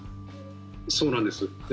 そうなんです。